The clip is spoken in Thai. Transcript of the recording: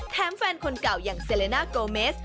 แถมแฟนคนเก่ายังเซเลน่าโกเมส